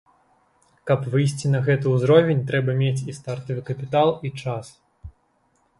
Каб выйсці на гэты ўзровень трэба мець і стартавы капітал, і час.